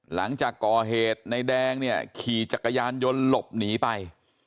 หลังจากก่อเหตุในแดงเนี่ยขี่จักรยานยนต์หลบหนีไป